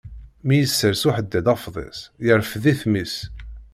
Mi yessers uḥeddad afḍis, irefd-it mmi-s.